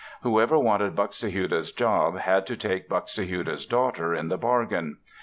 Whoever wanted Buxtehude's job had to take Buxtehude's daughter in the bargain.